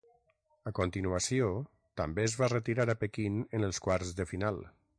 A continuació també es va retirar a Pequín en els quarts de final.